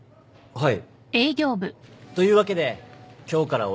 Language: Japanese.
はい。